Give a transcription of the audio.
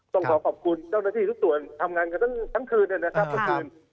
ต้องขอขอบคุณเจ้าหน้าที่ทุกส่วนทำงานกันทั้งคืนนะครับทุกคืน